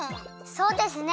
そうですね。